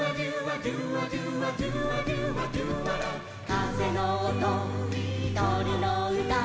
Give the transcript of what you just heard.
「かぜのおととりのうた」